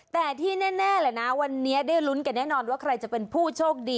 แต่ที่แน่แหละนะวันนี้ได้ลุ้นกันแน่นอนว่าใครจะเป็นผู้โชคดี